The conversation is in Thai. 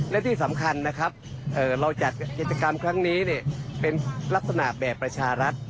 และที่สำคัญนะครับเราจัดกิจกรรมครั้งนี้เป็นลักษณะแบบประชารัฐ